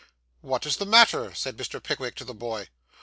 'What is the matter?' said Mr. Pickwick to the boy.